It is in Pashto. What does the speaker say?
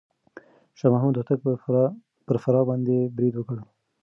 شاه محمود هوتک پر فراه باندې بريد وکړ.